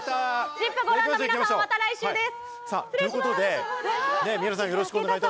『ＺＩＰ！』をご覧の皆さんはまた来週です。